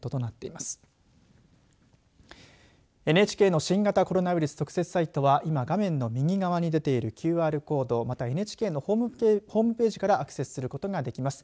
ＮＨＫの新型コロナウイルス特設サイトは今、画面の右側に出ているＱＲコードまたはＮＨＫのホームページからアクセスすることができます。